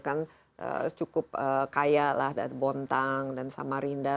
kan cukup kaya lah bontang dan samarinda